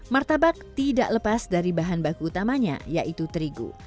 martabak tidak lepas dari bahan baku utamanya yaitu terigu